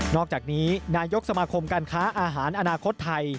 อกจากนี้นายกสมาคมการค้าอาหารอนาคตไทย